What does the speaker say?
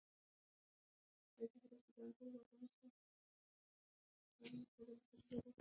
ازادي راډیو د روغتیا په اړه د ښځو غږ ته ځای ورکړی.